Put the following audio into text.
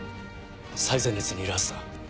最前列にいるはずだ。